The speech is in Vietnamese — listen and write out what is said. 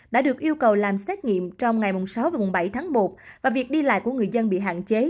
đã được yêu cầu làm xét nghiệm trong ngày sáu và bảy tháng một và việc đi lại của người dân bị hạn chế